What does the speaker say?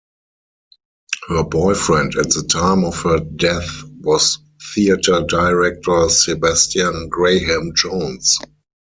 Her boyfriend at the time of her death was theatre director Sebastian Graham-Jones.